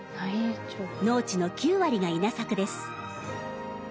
農地の９割が稲作です。